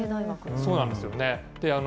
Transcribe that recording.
そうなんですよね。